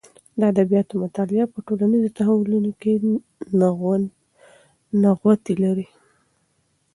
د ادبیاتو مطالعه په ټولنیز تحولونو کې نغوتې لري.